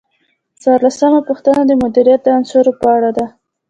څوارلسمه پوښتنه د مدیریت د عناصرو په اړه ده.